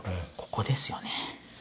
ここですよね。